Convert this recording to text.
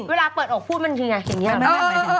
เวลาเปิดอกพูดมันคือไงอย่างนี้